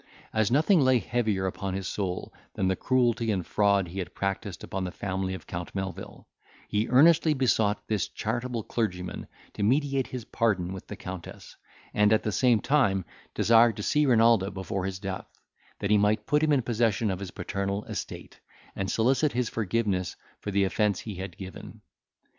As nothing lay heavier upon his soul than the cruelty and fraud he had practised upon the family of Count Melvil, he earnestly besought this charitable clergyman to mediate his pardon with the Countess, and at the same time desired to see Renaldo before his death, that he might put him in possession of his paternal estate, and solicit his forgiveness for the offence he had given.